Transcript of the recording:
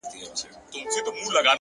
هوښیار انسان له هرې خاموشۍ زده کوي,